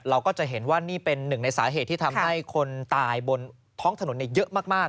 เราก็จะเห็นว่านี่เป็นหนึ่งในสาเหตุที่ทำให้คนตายบนท้องถนนเยอะมาก